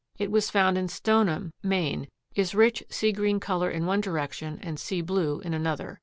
It was found in Stoneham, Me., is rich sea green color in one direction and sea blue in another.